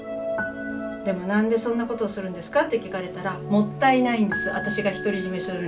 でも「なんでそんなことをするんですか？」って聞かれたらもったいないんです私が独り占めするには。